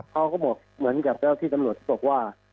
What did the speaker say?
เขาก็บอกเหมือนกับเจ้าที่ตำรวจบอกว่า